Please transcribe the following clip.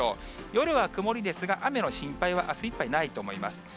夜は曇りですが、雨の心配はあすいっぱいないと思います。